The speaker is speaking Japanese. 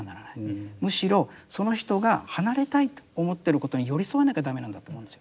むしろその人が離れたいと思ってることに寄り添わなきゃ駄目なんだと思うんですよ。